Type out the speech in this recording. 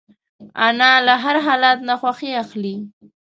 انا له هر حالت نه خوښي اخلي